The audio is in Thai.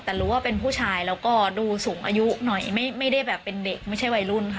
แต่รู้ว่าเป็นผู้ชายแล้วก็ดูสูงอายุหน่อยไม่ได้แบบเป็นเด็กไม่ใช่วัยรุ่นค่ะ